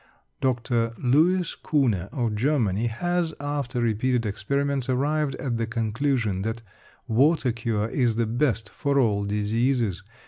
Dr. Louis Kuhne of Germany has, after repeated experiments, arrived at the conclusion that water cure is the best for all diseases.